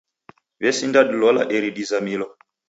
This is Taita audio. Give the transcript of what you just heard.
W'esinda dilola eri dizamilo.